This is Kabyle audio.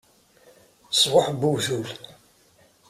Ṣṣbuḥ n uwtul!